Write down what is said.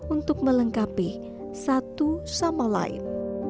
untuk melengkapi satu sama lain